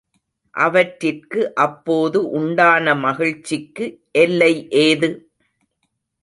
அவற்றிற்கு அப்போது உண்டான மகிழ்ச்சிக்கு எல்லை ஏது?